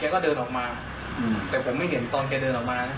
ก็เดินออกมาแต่ผมไม่เห็นตอนแกเดินออกมานะ